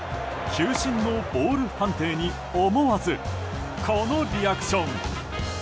球審のボール判定に思わず、このリアクション。